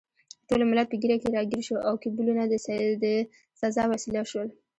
ټول ملت په ږیره کې راګیر شو او کیبلونه د سزا وسیله شول.